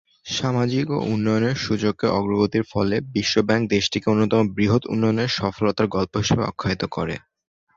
সামাজিক ও উন্নয়নের সূচকে অগ্রগতির ফলে বিশ্বব্যাংক দেশটিকে অন্যতম ‘বৃহৎ উন্নয়নের সফলতার গল্প’ হিসেবে আখ্যায়িত করে।